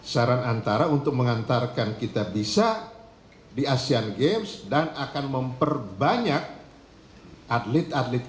saran antara untuk mengantarkan kita bisa di asean games dan akan memperbanyak atlet atlet